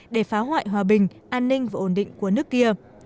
để phá hoại hòa bình an ninh và ổn định của nước kia